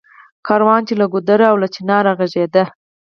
کاروان چــــې له ګـــــودره او له چنار غـــږېده